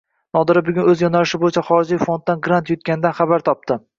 Nodira bugun o`z yo`nalishi bo`yicha xorijiy fonddan grant yutganidan xabar topdi